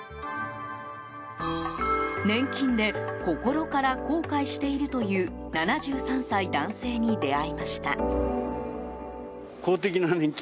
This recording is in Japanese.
年金で心から後悔しているという７３歳男性に出会いました。